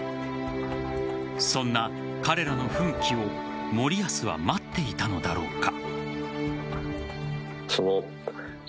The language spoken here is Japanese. そんな彼らの奮起を森保は待っていたのだろうか。